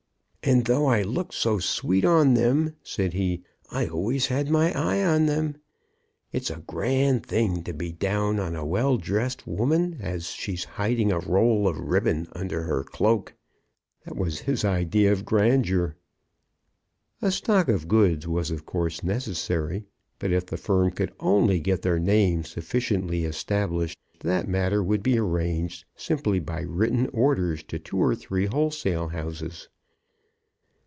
"And though I looked so sweet on them," said he, "I always had my eye on them. It's a grand thing to be down on a well dressed woman as she's hiding a roll of ribbon under her cloak." That was his idea of grandeur! A stock of goods was of course necessary, but if the firm could only get their name sufficiently established, that matter would be arranged simply by written orders to two or three wholesale houses.